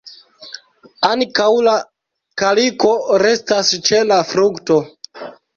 Ankaŭ la kaliko restas ĉe la frukto.